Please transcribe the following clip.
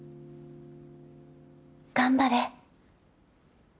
頑張れ！